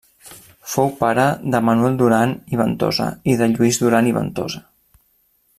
Fou pare de Manuel Duran i Ventosa i de Lluís Duran i Ventosa.